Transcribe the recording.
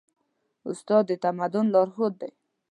استاد د تمدن لارښود دی.